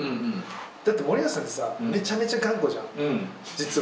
だって森保さんってさ、めちゃめちゃ頑固じゃん、実は。